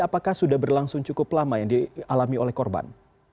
apakah sudah berlangsung cukup lama yang dialami oleh korban